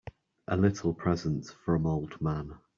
A little present from old man.